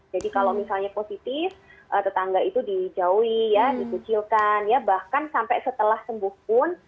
jadi kalau misalnya positif tetangga itu dijauhi dikucilkan ya bahkan sampai setelah sembuh pun